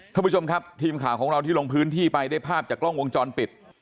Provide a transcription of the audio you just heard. ท่านผู้ชมครับทีมข่าวของเราที่ลงพื้นที่ไปได้ภาพจากกล้องวงจรปิด